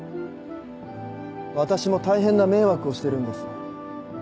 私も大変な迷惑をしてるんです。